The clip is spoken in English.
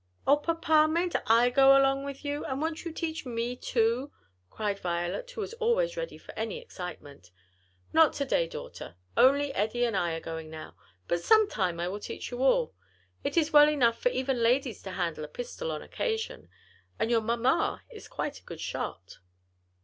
"O papa, mayn't I go along with you? and won't you teach me too?" cried Violet, who was always ready for any excitement. "Not to day, daughter: only Eddie and I are going now; but sometime I will teach you all. It is well enough for even ladies to handle a pistol on occasion, and your mamma is quite a good shot."